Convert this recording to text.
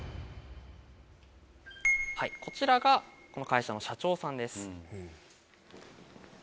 こちらがこの会社の社長さんです。